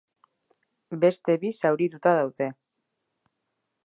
Beste bi zaurituta daude.